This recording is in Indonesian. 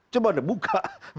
coba anda buka